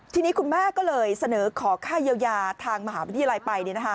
ทีนี้คุณแม่ก็เลยเสนอขอค่าเยียวยาทางมหาวิทยาลัยไป